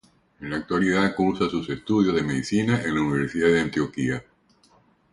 En la actualidad, cursa sus estudios de medicina en la Universidad de Antioquia.